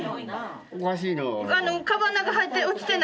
おかしいな。